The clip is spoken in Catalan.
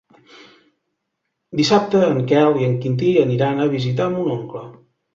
Dissabte en Quel i en Quintí aniran a visitar mon oncle.